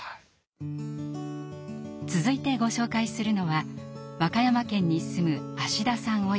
続いてご紹介するのは和歌山県に住む芦田さん